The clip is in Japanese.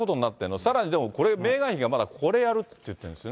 さらにでもこれ、メーガン妃がまだこれやるって言ってるんですよ